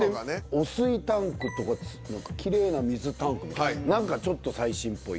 汚水タンクとかきれいな水タンクとか何かちょっと最新っぽい。